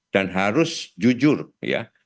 dan harus jujur ya